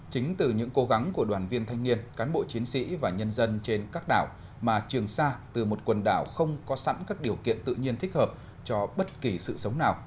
chính từ những cố gắng của đoàn viên thanh niên cán bộ chiến sĩ và nhân dân trên các đảo mà trường sa từ một quần đảo không có sẵn các điều kiện tự nhiên thích hợp cho bất kỳ sự sống nào